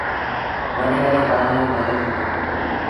وڏيݩ وٚڏيݩ بآزآريٚݩ لڳل هُݩديٚݩ۔